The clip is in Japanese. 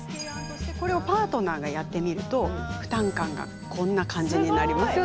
これをパートナーがやってみると負担感がこんな感じになりますよと。